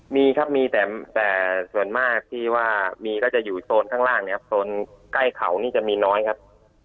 มีครับมีแต่ส่วนมากที่ว่ามีก็จะอยู่โซนข้างล่างนะครับโซนใกล้เขานี่จะมีน้อยครับ